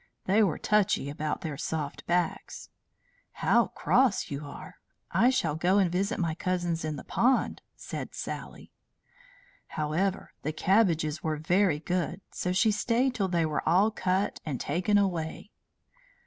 They were touchy about their soft backs. "How cross you are! I shall go and visit my cousins in the pond," said Sally. However, the cabbages were very good, so she stayed till they were all cut and taken away.